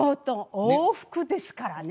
往復ですからね。